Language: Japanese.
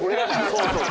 そうそう。